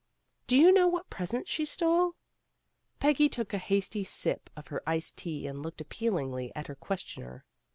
"Do you know what present she stole?" Peggy took a hasty sip of her iced tea and looked appealingly at her questioner.